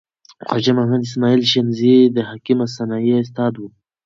خواجه محمد اسماعیل شنیزی د حکیم سنایی استاد و.